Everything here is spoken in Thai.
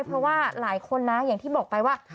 เพราะว่าหลายคนนะอย่างที่บอกไปว่า